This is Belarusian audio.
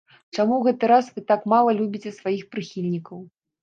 Чаму ў гэты раз вы так мала любіце сваіх прыхільнікаў?